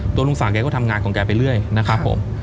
ลุงศักดิก็ทำงานของแกไปเรื่อยนะครับผม